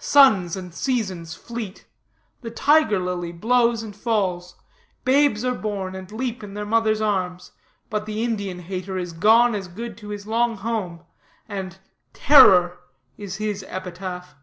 Suns and seasons fleet; the tiger lily blows and falls; babes are born and leap in their mothers' arms; but, the Indian hater is good as gone to his long home, and "Terror" is his epitaph.'